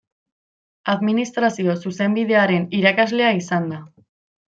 Administrazio Zuzenbidearen irakaslea izan da.